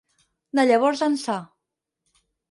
De llavors ençà.